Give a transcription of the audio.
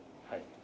はい。